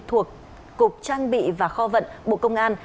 thuộc cục trang bị và kho vận bộ công an